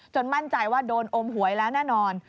มั่นใจว่าโดนอมหวยแล้วแน่นอน